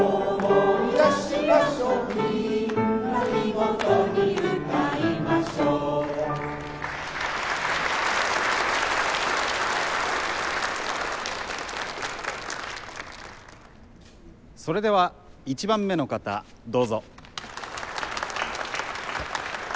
みんなみごとに歌いましょそれでは１番目の方どうぞ。